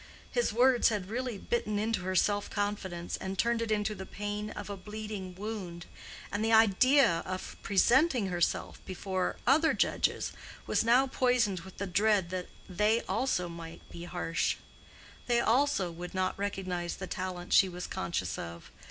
His words had really bitten into her self confidence and turned it into the pain of a bleeding wound; and the idea of presenting herself before other judges was now poisoned with the dread that they also might be harsh; they also would not recognize the talent she was conscious of.